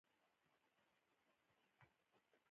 د نوې ډبرې انقلاب په اړه د جراډ ډیامونډ نظریه ده